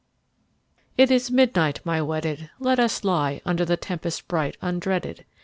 It is midnight, my wedded ; Let us lie under The tempest bright undreaded.